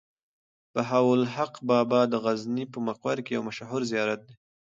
بهاوالحق بابا د غزني په مقر کې يو مشهور زيارت دی.